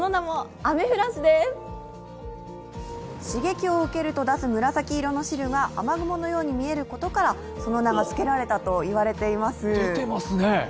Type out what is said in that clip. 刺激を受けると出す紫色の汁が雨雲のように見えることからその名がつけられたと言われています。